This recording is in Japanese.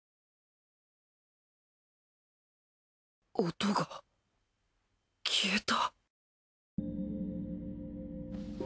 音が消えた